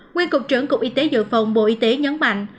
nguyên cục trưởng cục y tế dự phòng bộ y tế nhấn mạnh